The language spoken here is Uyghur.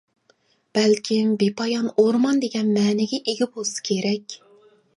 بەلكىم بىپايان ئورمان دېگەن مەنىگە ئىگە بولسا كېرەك.